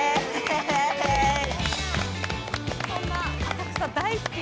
浅草大好き！